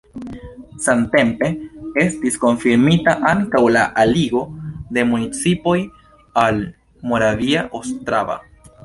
Samtempe estis konfirmita ankaŭ la aligo de municipoj al Moravia Ostrava.